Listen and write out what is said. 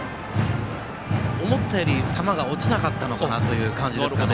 思ったより球が落ちなかったという感じですかね。